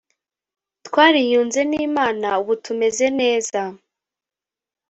twariyunze n imana ubu tumeze neza